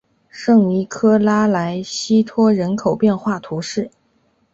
圣尼科拉莱西托人口变化图示